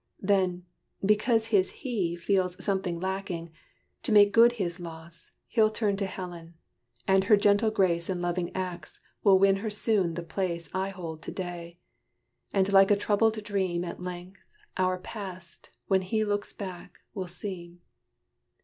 "Then, because his he Feels something lacking, to make good his loss, He'll turn to Helen: and her gentle grace And loving acts will win her soon the place I hold to day: and like a troubled dream At length, our past, when he looks back, will seem."